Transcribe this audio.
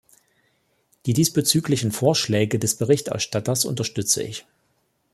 Die diesbezüglichen Vorschläge des Berichterstatters unterstütze ich.